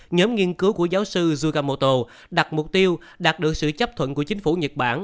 nhóm nghiên cứu của giáo sư yugamoto đặt mục tiêu đạt được sự chấp thuận của chính phủ nhật bản